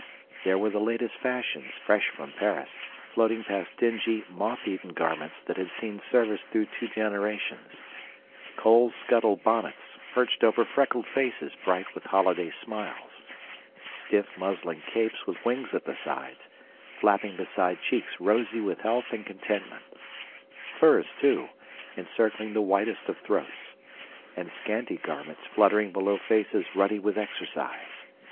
There were the latest fashions, fresh from Paris, floating past dingy, moth eaten garments that had seen service through two generations; coal scuttle bonnets perched over freckled faces bright with holiday smiles; stiff muslin caps with wings at the sides, flapping beside cheeks rosy with health and contentment; furs, too, encircling the whitest of throats; and scanty garments fluttering below faces ruddy with exercise.